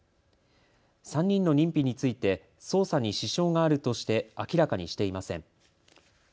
３人の認否について捜査に支障があるとして明らかにしていません。